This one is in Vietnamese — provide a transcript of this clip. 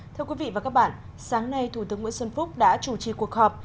thưa quý vị và các bạn sáng nay thủ tướng nguyễn xuân phúc đã chủ trì cuộc họp